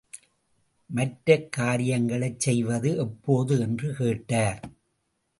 மற்ற காரியங்களைச் செய்வது எப்போது என்று கேட்டார்.